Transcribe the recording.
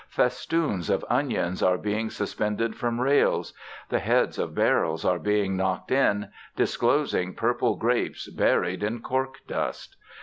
Festoons of onions are being suspended from rails. The heads of barrels are being knocked in, disclosing purple grapes buried in corkdust.